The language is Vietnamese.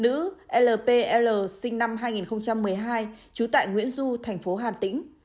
nữ l p l sinh năm hai nghìn một mươi hai chú tại nguyễn du thành phố hà tĩnh